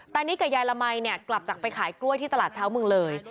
นิดกับยายละมัยเนี่ยกลับจากไปขายกล้วยที่ตลาดเช้าเมืองเลย